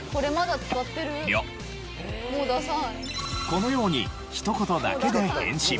このようにひと言だけで返信。